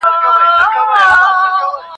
زه اوس مکتب ته ځم.